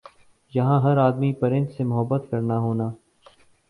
یَہاں ہَر آدمی پرند سے محبت کرنا ہونا ۔